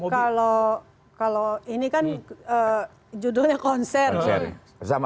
kalau ini kan judulnya konser sih